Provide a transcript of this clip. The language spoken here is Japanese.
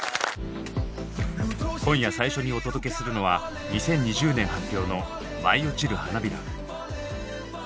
今夜最初にお届けするのは２０２０年発表の「舞い落ちる花びら」。